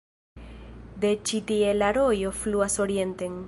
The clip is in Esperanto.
De ĉi tie la rojo fluas orienten.